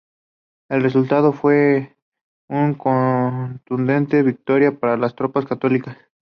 El resultado fue una contundente victoria para las tropas católicas.